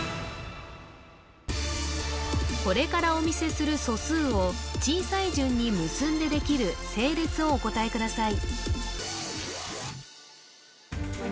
これからお見せする素数を小さい順に結んでできる星列をお答えください